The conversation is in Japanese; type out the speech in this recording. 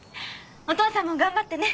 お父さんも頑張ってね。